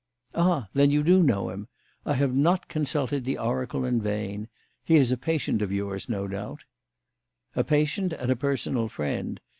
"Ah! Then you do know him. I have not consulted the oracle in vain. He is a patient of yours, no doubt?" "A patient and a personal friend.